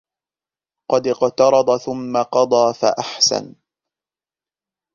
قَدْ اقْتَرَضَ ثُمَّ قَضَى فَأَحْسَنَ